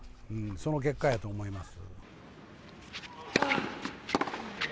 その結果やと思います。